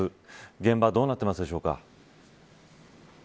現場はどうなっているでしょうか。